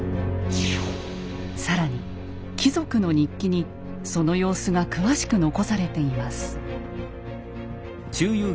更に貴族の日記にその様子が詳しく残されています。